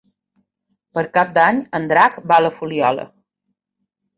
Per Cap d'Any en Drac va a la Fuliola.